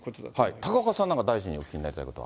高岡さん、なんか大臣にお聞きしたいことは。